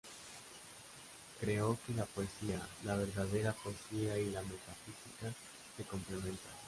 Creo que la poesía, la verdadera poesía y la metafísica se complementan.